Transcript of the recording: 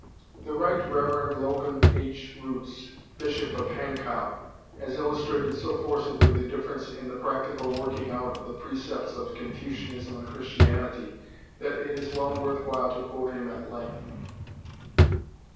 ] The Right Reverend Logan H. Roots, Bishop of Hankow, has illustrated so forcibly the difference in the practical working out of the precepts of Confucianism and Christianity, that it is well worth while to quote him at length.